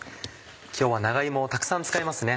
今日は長芋をたくさん使いますね。